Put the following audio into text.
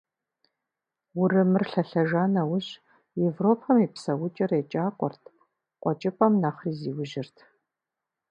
Урымыр лъэлъэжа нэужь, Европэм и псэукӀэр екӀакӀуэрт, КъуэкӀыпӀэм нэхъри зиужьырт.